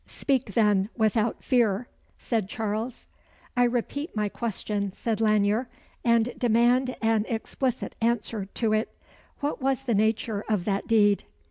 "Speak, then, without fear," said Charles. "I repeat my question," said Lanyere, "and demand an explicit answer to it. What was the nature of that deed?"